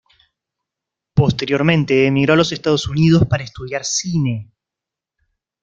Posteriormente emigró a los Estados Unidos para estudiar cine.